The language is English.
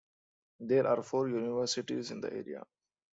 There are four universities in the area.